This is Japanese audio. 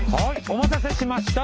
お待たせしました！